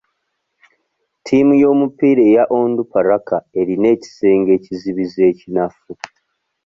Ttiimu y'omupiira eya Onduparaka erina ekisenge ekizibizi ekinafu.